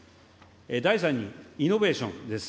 第３に、イノベーションです。